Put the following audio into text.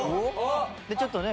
でちょっとね